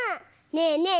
ねえねえ